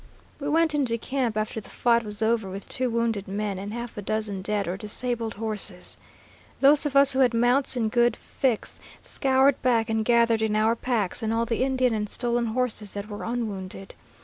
"We went into camp after the fight was over with two wounded men and half a dozen dead or disabled horses. Those of us who had mounts in good fix scoured back and gathered in our packs and all the Indian and stolen horses that were unwounded.